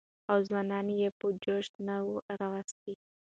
او ځوانان يې په جوش نه وى راوستي.